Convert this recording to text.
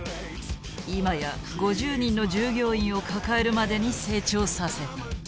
今や５０人の従業員を抱えるまでに成長させた。